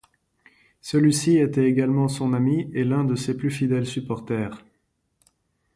Celui-ci était également son ami et l’un de ses plus fidèles supporters.